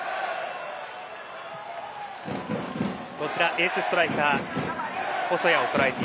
エースストライカー、細谷です。